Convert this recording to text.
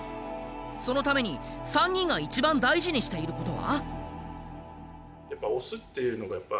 そのために３人が一番大事にしていることは？